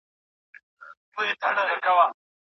تاته به څرنګه غزل په اوښکو ولمبوم